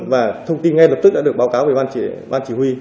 và thông tin ngay lập tức đã được báo cáo về ban chỉ huy